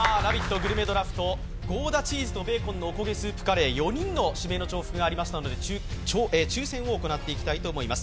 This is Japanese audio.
グルメドラフト、ゴーダチーズとベーコンのおこげスープカレーは４人の指名の重複がありましたので抽選を行っていきたいと思います。